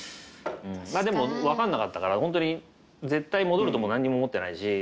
まあでも分かんなかったから本当に絶対戻るとも何にも思ってないし。